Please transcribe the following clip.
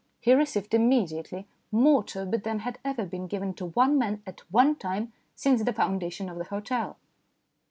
He received im mediately more turbot than had ever been given to one man at one time since the foundation of the hotel.